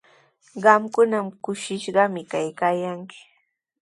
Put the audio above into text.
Qamkuna kushishqami kaykaayanki.